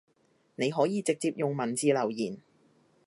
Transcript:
你可以直接用文字留言